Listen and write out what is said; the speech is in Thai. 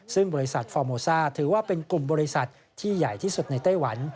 ซึ่งบริษัทฟอร์โมซ่าถือว่าเป็นกลุ่มบริษัทที่ใหญ่ที่สุดในไต้หวัน